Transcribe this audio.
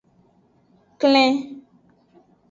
Klen.